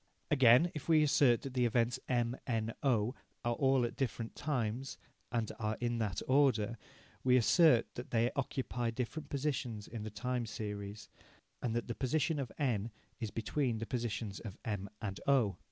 Again, if we assert that the events M, N, O, are all at different times, and are in that order, we assert that they occupy different positions in the time series, and that the position of N is between the positions of M and O.